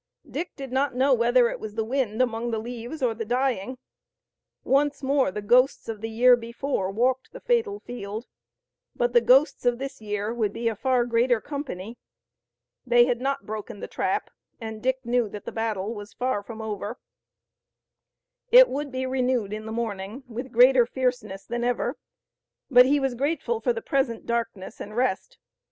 Dick did not know whether it was the wind among the leaves or the dying. Once more the ghosts of the year before walked the fatal field, but the ghosts of this year would be a far greater company. They had not broken the trap and Dick knew that the battle was far from over. It would be renewed in the morning with greater fierceness than ever, but he was grateful for the present darkness and rest.